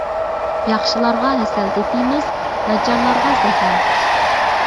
ياخشىلارغا ھەسەل تېتىيمىز، ناچارلارغا زەھەر!